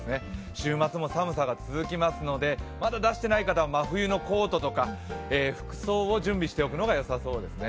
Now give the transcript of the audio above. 週末も寒さが続きますのでまだ出してない方は真冬のコートとか服装を準備しておくのがよさそうですね。